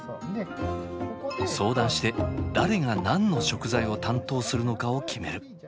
相談して誰が何の食材を担当するのかを決める。